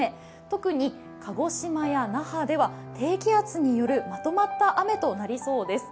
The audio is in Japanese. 特に鹿児島や那覇では低気圧によるまとまった雨となりそうです。